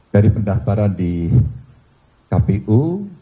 dari pendaftaran di kpu